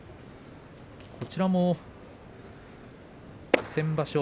こちらも先場所